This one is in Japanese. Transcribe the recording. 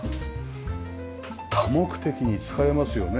多目的に使えますよね。